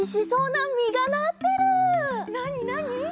なになに？